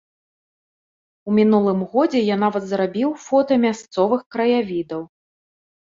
У мінулым годзе я нават зрабіў фота мясцовых краявідаў.